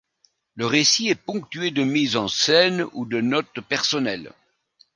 Le récit est ponctué de mises en scènes ou de notes personnelles.